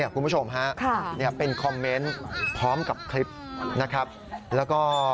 คุณผู้ชมฮะเป็นคอมเมนต์พร้อมกับคลิปนะครับแล้วก็